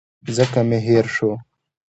ځکه مي هېر شو .